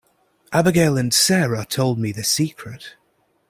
Abigail and Sara told me the secret.